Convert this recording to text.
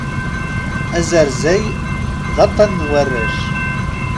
Azerzay, d aṭṭan n warrac.